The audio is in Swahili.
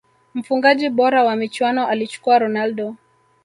mfungaji bora wa michuano alichukua ronaldo